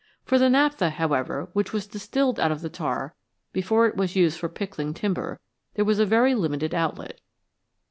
For the naphtha, however, which was distilled out of the tar before it was used for pickling timber there was a very limited outlet.